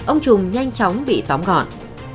ông trùng nhanh chóng bị tóm gọn